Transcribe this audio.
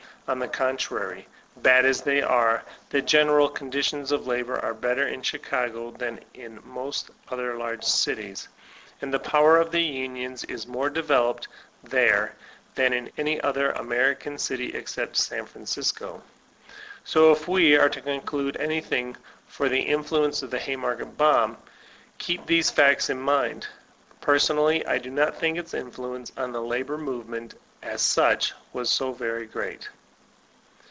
On the contrary, bad as they are, the general conditions of labor are better in Chicago than in most other large cities, and the power of the unions is more developed there than in any other American city except San Francisco. So if we are to conclude anything for the influence of the Haymarket bomb, keep these facts in mind. Personally I do not think its influence on the labor movement, as such, was so very great.